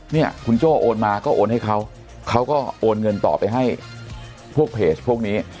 เนี่ยคุณโจ้โอนมาก็โอนให้เขาเขาก็โอนเงินต่อไปให้พวกเพจพวกนี้